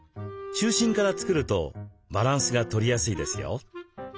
中心から作るとバランスが取りやすいですよ。